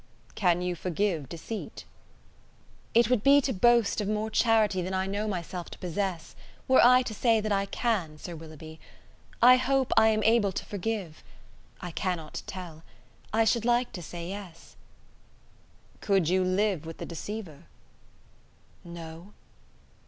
"Can you forgive deceit?" "It would be to boast of more charity than I know myself to possess, were I to say that I can, Sir Willoughby. I hope I am able to forgive. I cannot tell. I should like to say yes." "Could you live with the deceiver?" "No."